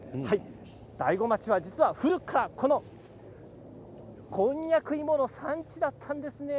大子町は実は古くからこのこんにゃく芋の産地だったんですね。